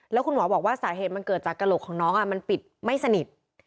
แล้วคุณหมอบอกว่าสาเหตุมันเกิดจากกระโหลกของน้องมันปิดไม่สนิท